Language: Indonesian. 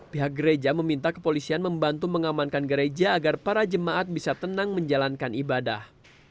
pihak gereja meminta kepolisian membantu mengamankan gereja agar para jemaat bisa tenang menjalankan ibadah